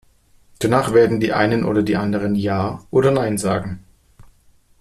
Danach werden die Einen oder die Anderen Ja oder Nein sagen.